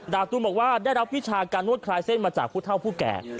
ตูนบอกว่าได้รับวิชาการนวดคลายเส้นมาจากผู้เท่าผู้แก่